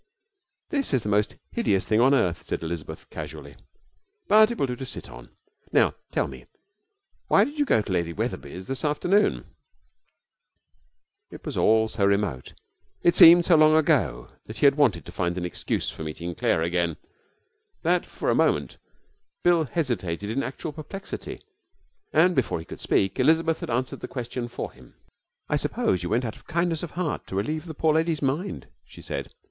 'This is the most hideous thing on earth,' said Elizabeth casually, 'but it will do to sit on. Now tell me: why did you go to Lady Wetherby's this afternoon?' It was all so remote, it seemed so long ago that he had wanted to find an excuse for meeting Claire again, that for a moment Bill hesitated in actual perplexity, and before he could speak Elizabeth had answered the question for him. 'I suppose you went out of kindness of heart to relieve the poor lady's mind,' she said.